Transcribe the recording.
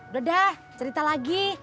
udah dah cerita lagi